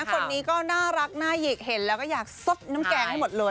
คนนี้ก็น่ารักน่าหยิกเห็นแล้วก็อยากซดน้ำแกงให้หมดเลย